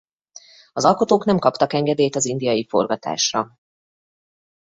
Az alkotók nem kaptak engedélyt az indiai forgatásra.